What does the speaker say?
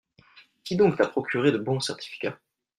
Qui donc t’a procuré de bons certificats ?